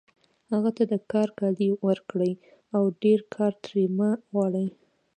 هغه ته د کار کالي ورکړئ او ډېر کار ترې مه غواړئ